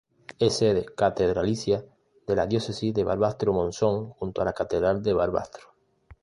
Es sede catedralicia de la diócesis de Barbastro-Monzón junto con la catedral de Barbastro.